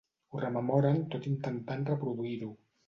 Ho rememoren tot intentant reproduir-ho.